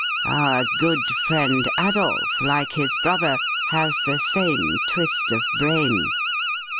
Our good friend Adolph, like his brother, has the same twist of brain.